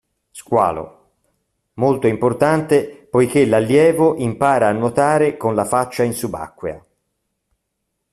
Squalo: molto importante poiché l'allievo impara a nuotare con la faccia in subacquea.